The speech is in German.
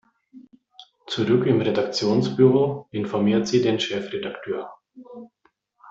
Zurück im Redaktionsbüro informiert sie den Chefredakteur.